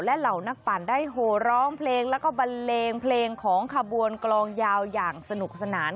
และเหล่านักปั่นได้โหร้องเพลงแล้วก็บันเลงเพลงของขบวนกลองยาวอย่างสนุกสนาน